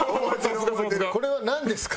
これはなんですか？